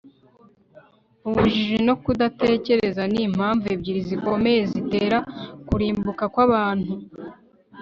ubujiji no kudatekereza ni impamvu ebyiri zikomeye zitera kurimbuka kw'abantu